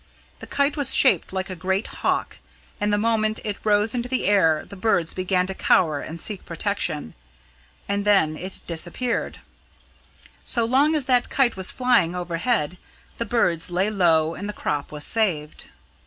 The kite was shaped like a great hawk; and the moment it rose into the air the birds began to cower and seek protection and then to disappear. So long as that kite was flying overhead the birds lay low and the crop was saved.